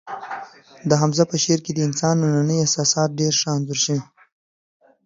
د حمزه په شعر کې د انسان ننني احساسات ډېر ښه انځور شوي